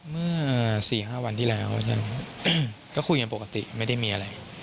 เมื่อ๔๕วันที่แล้วก็คุยกันปกติไม่ได้มีอะไร